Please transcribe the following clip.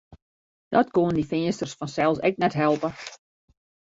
Dat koenen dy Feansters fansels ek net helpe.